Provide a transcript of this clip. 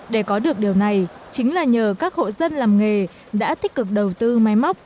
để có được điều này chính là nhờ các hộ dân làm nghề đã tích cực đầu tư máy móc